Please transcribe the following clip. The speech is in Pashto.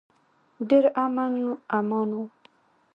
ډیر امن و امان و.